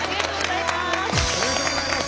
ありがとうございます。